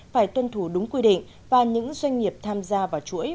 phải tuân thủ đúng quy định và những doanh nghiệp tham gia vào chuỗi